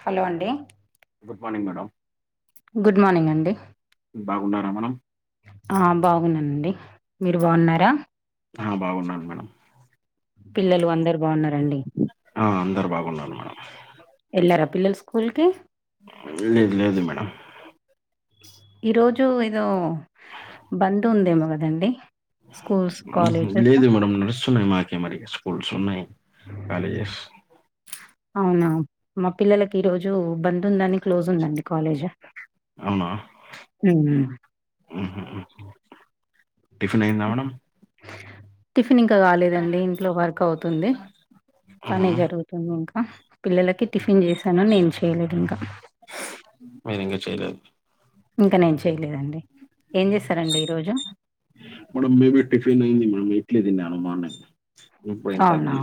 Hello అండి good morning madam good morning అండి బాగున్నారా మనం బాగున్నానండి మీరు బాగున్నారా ఆ బాగున్నాన్ మేడం పిల్లలు అందరు బాగున్నార అండి ఆ అందరు బాగున్నారు మేడం ఎల్లార పిల్లలు స్కూల్ కి [unintelligible] లేదు మేడం ఈ రోజు ఏదో బంద్ ఉందేమో కదండి స్కూల్స్ కాలేజెస్ లేదు మేడం నడుస్ తున్నాయి మాకి మరి స్కూల్స్ ఉన్నాయి కాలేజెస్ అవునా మా పిల్లలకి ఈ రోజు బంద్ ఉందని క్లోజ్ ఉందండి కాలేజ్ అవునా ఉమ్. ఉహు టిఫిన్ అయిందా మేడం టిఫిన్ ఇంక కాలేదండి ఇంట్లో వర్క్ అవుతుంది అహ [unintelligible] ఇంక పిల్లలకి టిఫిన్ చేశాను నేను చేయలేదు ఇంకా మీరు ఇంక చేయలేదు ఇంక నేన్ చేయలేదండి ఏం చేస్తారంండి ఈరోోజు మేడం మేబి టిఫిన్ అయింది మేడం ఇడ్లీ తిన్నాను బాగున్నాయ్ అవునా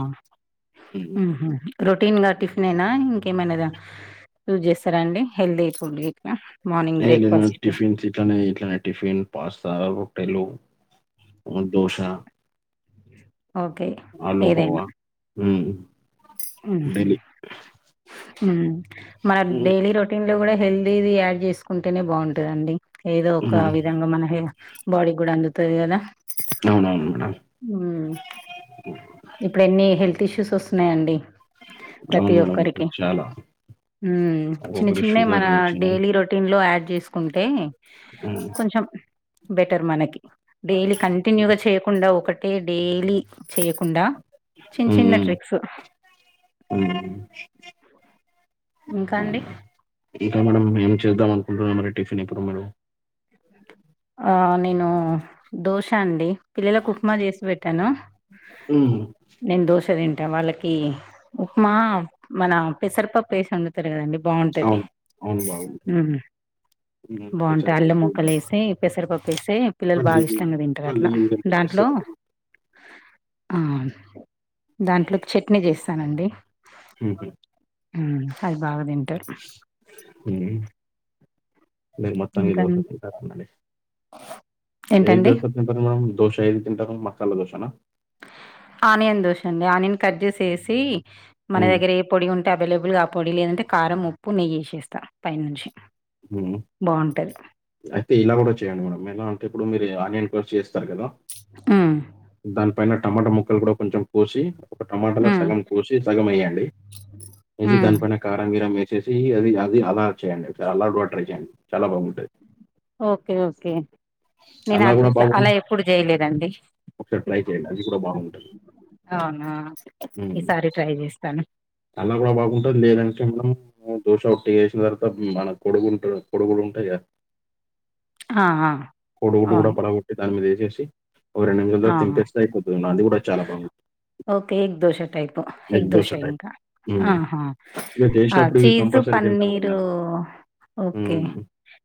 ఉహు రొటీన్గ టిఫిన్ అయినా ఇంకేమైన దా యూజ్ చేస్తారా అండి హెల్దీ ఫుడ్ గట్ లేదు లేదు మేడం టిఫిన్ చే ఇట్లనే ఇట్లనే టిఫిన్ పాస్తా రొట్టెలు వన్ దోశ ఓకే ఆలు ఏదైనా హోవా ఉహు డైలీ ఉమ్ మన మ్మ్. డైలీ రొటీన్ లో కూడ హెల్దీది యాడ్ చేసుకుంటేనే బాగుంటదండి ఏదో ఒక మ్మ్. విధంగా మన హె బాడీ కూడా అందుతుంది కదా అవునవును మేడం ఉ ఉ ఇప్పుడు ఎన్ని హెల్త్ ఇష్యూస్ వస్తున్నాయ్ అండి ప్రతి అవును మేడం ఒక్కరికి ఇప్పుడు చాలా ఉమ్ చిన్న ఒక్కొక్కరి చిన్నవి షుగర్ మన వచ్చినాయి డైలీ రో టిన్లో యాడ్ చేసుకుంటే ఉమ్, కొంచెం బెటర్ మనకి డైలీ కంటిన్యూగ చేయకుండా ఒకటే డైలీ చేయకు కుండా చిన్న చిన్న ట్రిక్స్ ఉ ఇంకా అండి ఇంక మేడం ఏం చేద్దాం అనుకుంటున్నా మరి టిఫిన్ ఇప్పుడు మేడం ఆ నేను దోశ అండి పిల్లలకు ఉప్మా చేసి పెట్టాను ఉమ్, నేను దోశ తింటా వాళ్ళకి ఉప్మా మన పెసరపప్పు వేసాన్ చూడు తర కదండి బాగుంటది అవును అవును బాగుంటుంది ఉహు బాగుంటాయి అల్ల పెసరపప్పు ముక్కలు వేసి పెసరిపప్పు వేసి పిల్లలు మళ్ళీ బాగాఇష్టంగా తింటారు మళ్ళీ అట్లా ఇంకేం వేస్తే దాంట్లో బాగుంటుంది. ఆ దాంట్లోకి చెట్నీ చేస్తానండి ఉమ్, అది బాగ తింటారు ఎయ్ మీరు మొత్తానికి ఇంకా దోస తింటార్ అనండి ఏ ఏంటండి దస తింటారు మేమ్ దోశ ఏది తింటరు మసాల దోశ న ఆనియన్ దోశ అండి ఆనియన్ కట్ చేసేసి మన ఉమ్, దగ్గర ఏ పొడి ఉంటే అవైలబుల్గా ఆ పొడి లేదంటే కారం ఉప్పు నెయ్యి వేసేస్తా పైననుంచి ఉమ్ అయితే ఇలా కూడా చేయండి మేడం ఎలా అంటే ఇప్పుడు మీరు ఆనియన్ కోసి చేస్త స్తారు కదా హ్మ్. దాని పైన టమాటా ముక్కలు కూడా కొంచెం పోసి ఒక టమాటాలో హ్మ్. సగం కోసి సగం వేయండి ఎసి హ్మ్. దానిపైన కారం గీరం వేసేసి అది అది అలా చేయండి చలా బాగా ట్రై చేయండి చాలా బాగుంటుది ఓకే ఓకే నేను అలా అట్ కూడా ఇట్లా అలా బాగుంటుంది ఎప్పుడు చేయలేదండి ఒకసారి ట్రై చేయండి అది కూడా బాగుంటుంది అవునా ఉమ్. ఈసారి ట్రై చేస్తాను అలా కూడా బాగుంటది లేదంటే మనం దోశ ఒట్టి వేసిన తర్వాత మన కొడుగుంట కొడుగులు ఉంటాయి కదా ఆ! ఆ! కోడుగుడు కూడా అవును. పగలగొట్టి దాని మీద వేసేసి ఒక రెండు ఆ! నిమిషాలో దింపేస్తే అయిపోతుంది అది కూడా చాలా బాగుంది okay egg dosa type egg dosa ఇంకా ఉమ్. ఆహా ఇక ఆ చేసినప్పుడు ఇవి చీస్ కంపల్సరీ తింటాం కూడా పన్నీరు దాన్ని ఓకే ఉమ్.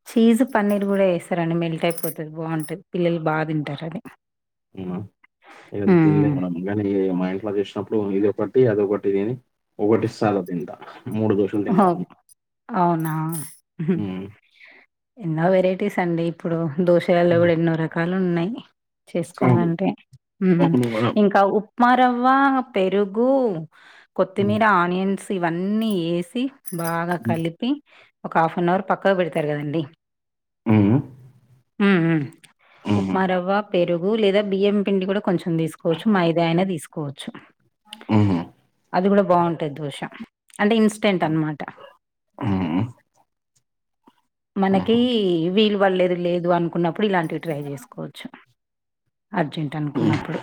చీజు పన్నీర్ కూడా వేస్తారండి మెల్ట్ అయిపోతుంది బాగుంటుంది పిల్లలు బా తింటారు అది మేమ ఏం తినలే మేడం కాని మా ఇంట్లో చూసినప్పుడు ఇది ఒకటి అదొకటి దీని ఒకటి సాదా తింటా మూడు దోశలు ఓహో తింటాను అవునా ఉమ్, ఎన్నో వెరైటీస్ అండి ఇప్పుడు దోశలలో ఉమ్, కూడా ఎన్నో రకాలు ఉన్నాయి అవును చేసుకోవాలంటే ఉమ్ అవును మేడం ఇంకా ఉ ఉప్మ రవ్వ పెరుగు ఉమ్, కొత్తిమీర ఆనియన్స్ ఇవన్నీ వేసి బాగా ఉమ్, కలిపి ఒక హాఫ్ అన్ అవర్ పక్కకు పెడతారు కదండీ ఉహుమ్ ఉమ్ ఉమ్ ఉప్మారవ్వ పెరుగు లేదా బియ్యం పిండి కూడా కొంచెం తీసుకోవచ్చు మైదా అయిన తీసుకోవచ్చు ఉమ్, అది కూడా బాగుంటాది దోష అంటే ఇన్స్టెంట్ అన్నమాట ఆహుం మనకి వీలు పడలేదు లేదు అనుకున్నప్పుడు ఇలాంటివి ట్రై చేసుకోవచ్చు అర్జెంట్ ఉమ్. అనుకున్నప్పుడు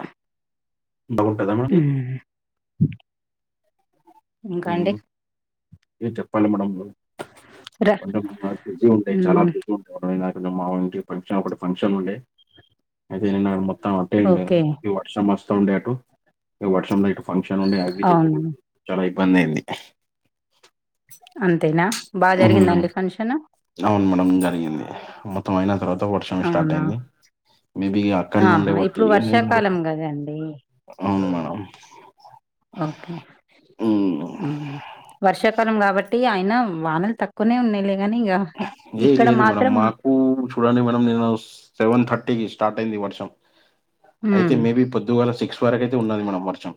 బాగుంటుందా మేడం ఇది? ఉమ్ ఉమ్ ఇక చెప్పండి మేడం ర కొంచెం బిజి ఉంటాయి చాలా హ్మ్. బిజి ఎ మా ఇంటికి ఫంక్షన్ ఒకటి ఫంక్షన్ ఉండే అయితే నేను మొత్తం ఏండి ఓకే. ఈ వర్షం వస్తా ఉండే అటు ఈ వర్షంలో ఇటు ఫంక్షన్ ఉండే అవి తేచుడు అవును. చాలా ఇబ్బంది అయింది అంతేనా బాగా ఉమ్, జరిగిందండి ఫంక్షన్ అవును మేడం జరిగింది మొత్తం అయిన తర్వాత వర్షం స్టార్ట్ అవునా? అయింది మేబి ఆహా ఇప్పుడు వర్షాకాలం కదండి అవును మేడం ఓకే ఉమ్, ఉమ్ వర్షాకాలం కాబట్టి ఆయన వానలు తక్కువనే ఉన్నాలే గాని ఇక ఏ లేదు మేడమ్ మాకు చూడండి మేడం నేను సెవెన్ థర్టీకి స్టార్ట్ అయింది వర్షం అయితే హ్మ్. మేబీ పొద్దుగాల సిక్స్ వరకు అయితే ఉన్నది మేడం వర్షం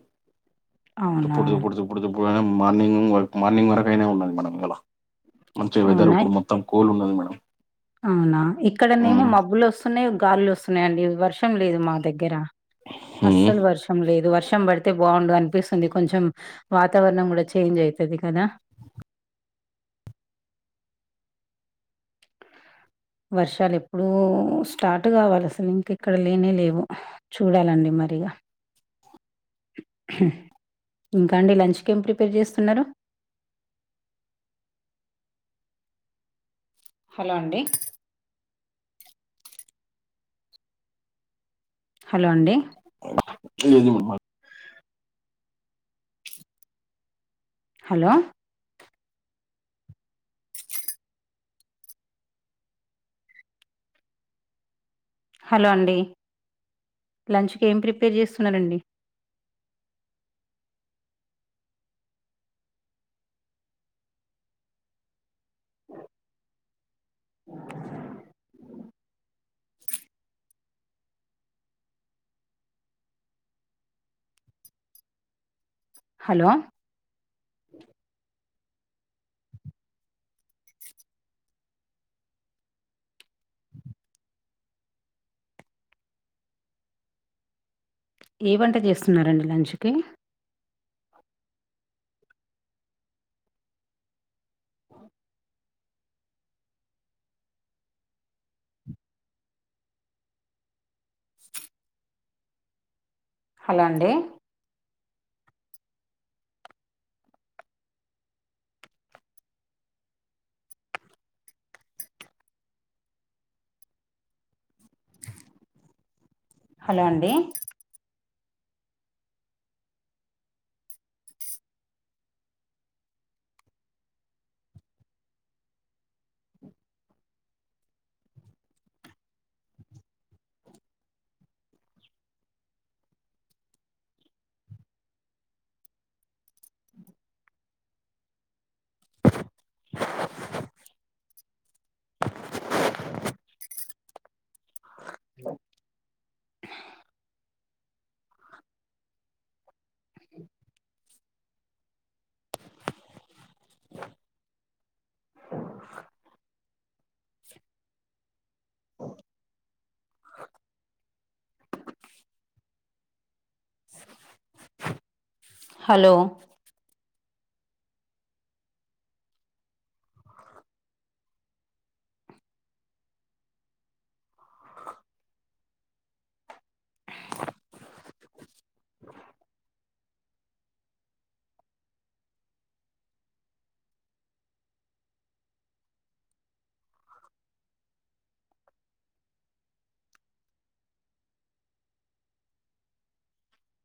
అవునా? తుప్పుడు తుప్పుడు తుప్పుడు తప్పుడుప్పుడు మార్నింగ్ మార్నింగ్ వరకు అయినా ఉన్నది మనకు ఇయాలా మంచి వెదర్ అవునా? ఇప్పుడు మొత్తం కూల్ ఉన్నది మేడం అవునా ఇక్కడనేమో ఉమ్. మబ్బులు వస్తున్నాయి గాలులు వస్తున్నాయిండి వర్షం లేదు మా దగ్గర ఉమ్. అస్సలు వర్ష తం లేదు. వర్షం పడితే బాగుండు అనిపిస్తుంది. కొంచెం వాతావరణం కూడా చేంజ్ అయితది కదా వర్షాలు ఎప్పుడో స్టార్ట్ కావాలి అసలు ఇంక ఇక్కడ లేనే లేవు చూడాలండి మరి ఇగా ఇంకా అండి లంచ్ కి ఏం ప్రిపేర్ చేస్తున్నారు. హలో అండి హలో అండి [unintelligible] హలో హలో అండి లంచ్ కి ఏం ప్రిపేర్ చేస్తున్నరండి హలో ఏ వంట చేస్తున్నారండి లంచ్ కి హలో అండి హలో అండీ హలో